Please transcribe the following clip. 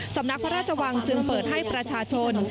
สำนักพระราชวังจึงเปิดให้ประชาชน